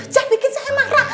jangan bikin saya marah